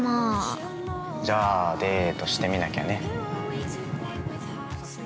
じゃあデートしてみなきゃね。